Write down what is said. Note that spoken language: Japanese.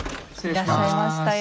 いらっしゃいましたよ。